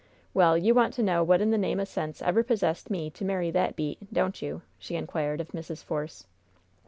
Well, you want to know what in the name o' sense ever possessed me to marry that beat, don't you?" she inquired of Mrs. Force.